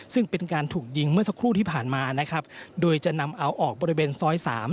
ซึ่งเป็นการถูกยิงเมื่อสักครู่ที่ผ่านมานะครับโดยจะนำเอาออกบริเวณซอยสาม